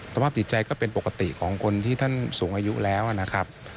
สภาพจิตใจก็เป็นปกติของคนที่ท่านสูงอายุแล้วนะครับ